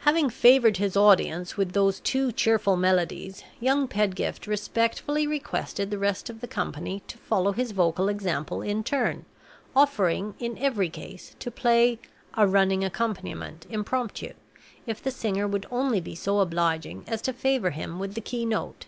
Having favored his audience with those two cheerful melodies, young Pedgift respectfully requested the rest of the company to follow his vocal example in turn, offering, in every case, to play "a running accompaniment" impromptu, if the singer would only be so obliging as to favor him with the key note.